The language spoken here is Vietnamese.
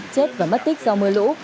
chết và mất tích do mưa lũ